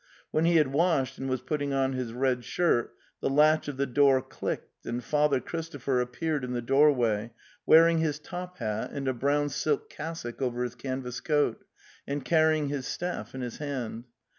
When he had washed and was put ting on his red shirt, the latch of the door clicked, and Father Christopher appeared in the doorway, wearing his top hat and a brown silk cassock over his canvas coat and carrying his staff in his hand.